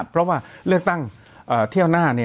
เพราะว่าเลือกตั้งเที่ยวหน้า